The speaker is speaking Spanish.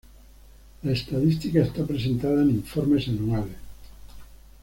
La estadística está presentada en informes anuales.